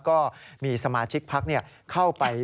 ก็มีสมาชิกพักเข้าไป